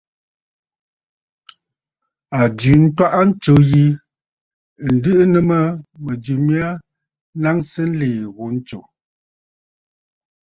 A jɨ ntwaʼa ntsǔ yi, ǹdɨʼɨ nɨ mə mɨ̀jɨ mya naŋsə nlìì ghu ntsù.